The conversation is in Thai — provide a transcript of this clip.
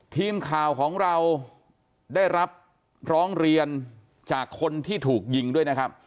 ทีมข่าวของเราได้รับร้องเรียนจากคนที่ถูกยิงด้วยนะครับ